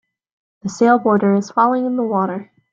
The sailboarder is falling in the water